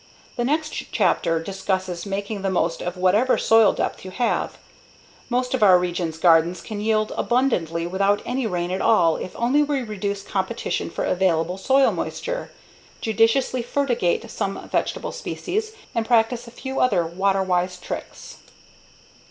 The next chapter discusses making the most of whatever soil depth you have. Most of our region's gardens can yield abundantly without any rain at all if only we reduce competition for available soil moisture, judiciously fertigate some vegetable species, and practice a few other water wise tricks.